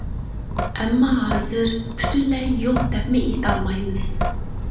ئەمما ھازىر پۈتۈنلەي يوق دەپمۇ ئېيتالمايمىز.